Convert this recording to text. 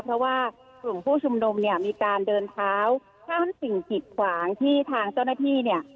เพราะว่ากลุ่มผู้ชุมนุมเนี่ยมีการเดินเท้าข้ามสิ่งกิดขวางที่ทางเจ้าหน้าที่เนี่ย